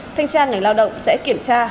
thanh tra ngành lao động sẽ kiểm tra